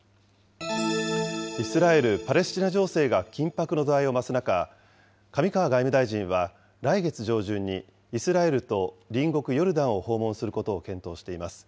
イスラエル・パレスチナ情勢が緊迫の度合いを増す中、上川外務大臣は来月上旬にイスラエルと隣国ヨルダンを訪問することを検討しています。